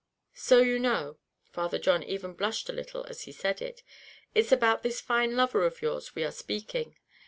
So you know," and Father John even blushed a little as he said it, "it's about this fine lover of yours we are speaking.